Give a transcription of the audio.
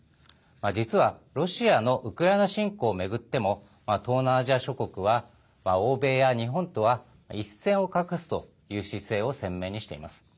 実は、ロシアのウクライナ侵攻を巡っても東南アジア諸国は欧米や日本とは一線を画すという姿勢を鮮明にしています。